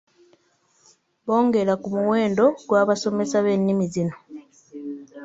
Bongera ku muwendo gw'abasomesa b'ennimi zino.